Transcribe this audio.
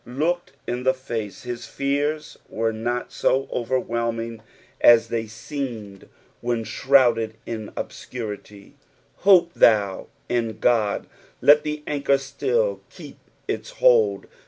Looked in the face, his fears were not so overwhelming as PSALM THE FOETT SECOND. 303 they aeemed when shTOuded in obscurity, " Hope than in Ood." Let the aDchor still keep its hold.